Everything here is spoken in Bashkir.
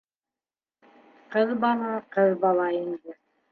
Ҡыҙ бала - ҡыҙ бала инде.